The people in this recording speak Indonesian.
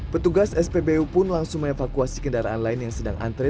petugas spbu pun langsung mengevakuasi kendaraan lain yang sedang antre